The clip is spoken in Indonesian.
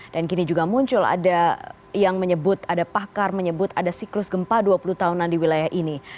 dan kini juga muncul ada yang menyebut ada pakar menyebut ada siklus gempa dua puluh tahunan di wilayah ini